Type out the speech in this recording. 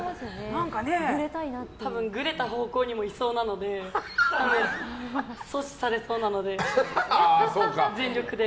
グレた方向にもいそうなので阻止されそうなので、全力で。